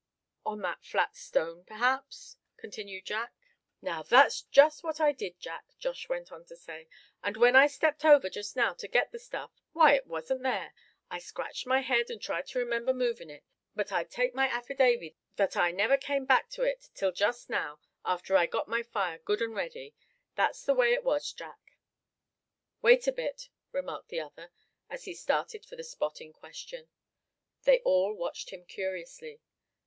"On that flat stone, perhaps?" continued Jack. "Now, that was just what I did, Jack," Josh went on to say, "and when I stepped over just now to get the stuff, why, it wasn't there. I scratched my head, and tried to remember moving it, but I'd take my affidavy that I never came back to get it till just now, after I got my fire good and ready. That's the way it was, Jack." "Wait a bit," remarked the other, as he started for the spot in question. They all watched him curiously.